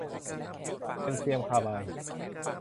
แคลเซียมคาร์ไบด์